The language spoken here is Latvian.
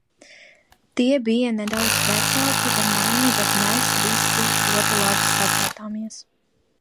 Tie bija nedaudz vecāki par mani, bet mēs visi ļoti labi sapratāmies.